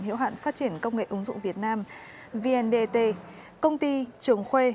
hiệu hạn phát triển công nghệ ứng dụng việt nam vndt công ty trường khuê